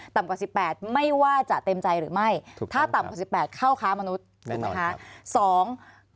๑ต่ำกว่า๑๘ไม่ว่าจะเต็มใจหรือไม่ถ้าตั้งกว่า๑๘เข้าคร้ามนุษย์จริงคะ